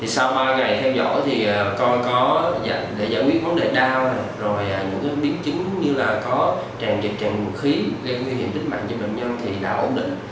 sau ba ngày theo dõi thì có giải quyết vấn đề đau những biến chứng như là có tràn trực tràn khí gây nguy hiểm đích mạnh cho bệnh nhân thì đã ổn định